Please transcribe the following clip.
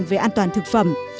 về an toàn thực phẩm